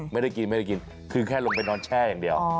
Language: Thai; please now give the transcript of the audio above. ไม่ได้กินคือแค่ลงไปนอนแช่อย่างเดียว